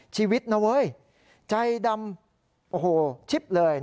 ชีวิตนะเว้ยใจดำโอ้โหชิบเลย